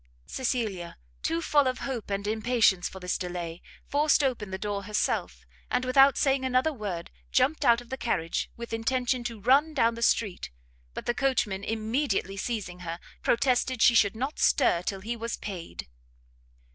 Cecilia, too full of hope and impatience for this delay, forced open the door herself, and without saying another word, jumped out of the carriage, with intention to run down the street; but the coachman immediately seizing her, protested she should not stir till he was paid.